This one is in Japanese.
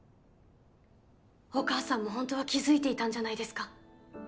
お母さんも本当は気づいていたんじゃないですか。